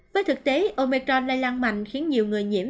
với thực tế omecron lây lan mạnh khiến nhiều người nhiễm